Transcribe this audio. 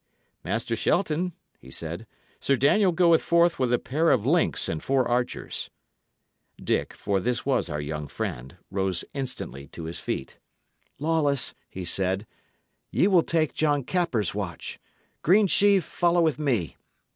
"Master Shelton," he said, "Sir Daniel goeth forth with a pair of links and four archers." Dick (for this was our young friend) rose instantly to his feet. "Lawless," he said, "ye will take John Capper's watch. Greensheve, follow with me.